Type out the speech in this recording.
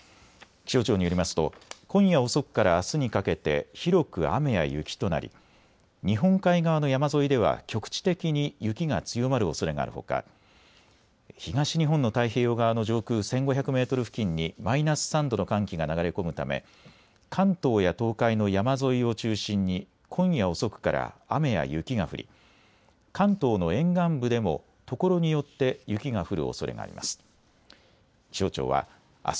気象庁によりますと今夜遅くからあすにかけて広く雨や雪となり日本海側の山沿いでは局地的に雪が強まるおそれがあるほか東日本の太平洋側の上空１５００メートル付近にマイナス３度の寒気が流れ込むため関東や東海の山沿いを中心に今夜遅くから雨や雪が降り関東の沿岸部でもところによって雪が降るおそれがあります。